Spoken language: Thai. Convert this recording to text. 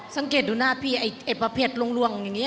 สังเกตดูหน้าพี่เดี๋ยวไออิดประเภทรวงอย่างงี้